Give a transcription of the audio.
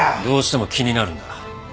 どうしても気になるんだ。